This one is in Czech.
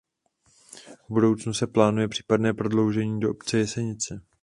V budoucnu se plánuje případné prodloužení do obce Jesenice.